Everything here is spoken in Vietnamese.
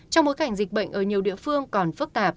trong bối cảnh dịch bệnh ở nhiều địa phương còn phức tạp